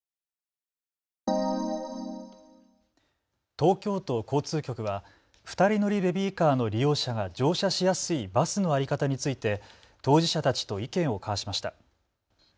東京都交通局は２人乗りベビーカーの利用者が乗車しやすいバスの在り方について当事者たちと意見を交わしました。